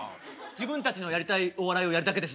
「自分たちのやりたいお笑いをやるだけです」